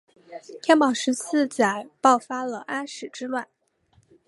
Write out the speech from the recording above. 天宝十四载爆发了安史之乱。